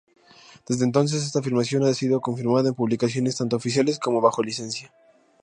Desde entonces, esta afirmación ha sido confirmada en publicaciones tanto oficiales como bajo licencia.